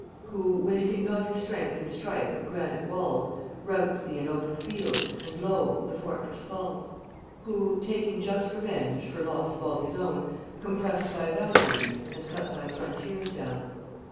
Who, wasting not his strength in strife with granite walls, Routs thee in open field, and lo! the fortress falls? Who, taking just revenge for loss of all his own, Compressed thy boundaries, and cut thy frontiers down.